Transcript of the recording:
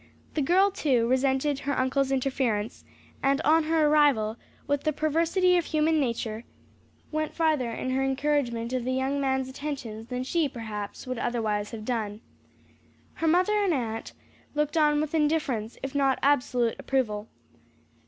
The girl, too, resented her uncle's interference, and on her arrival, with the perversity of human nature, went farther in her encouragement of the young man's attentions than she, perhaps, would otherwise have done. Her mother and aunt looked on with indifference, if not absolute approval.